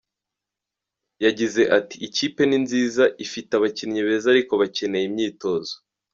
Yagize ati " Ikipe ni nziza, ifite abakinnyi beza ariko bakeneye imyitozo.